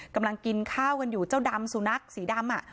กำลังกินข้าวกันอยู่เจ้าดำสุนัขสีดำ